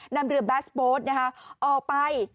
นำเรือแบสโปรดไป